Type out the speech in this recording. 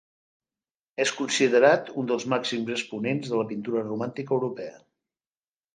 És considerat un dels màxims exponents de la pintura romàntica europea.